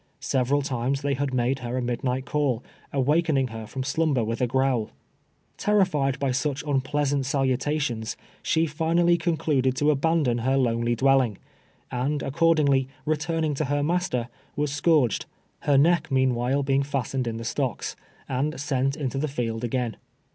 Several times they had made her a midnight call, awakening her from slum ber with a growl. Terrified by sucli unpleasant salu tations, she finally concluded to abandon her lonely dwelling; and, accordingly, returning to her master, was scourged, her neck meanwhile being fiistened in the stocks, and sent into the field again.